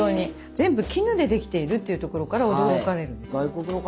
全部絹でできているというところから驚かれるんですよ。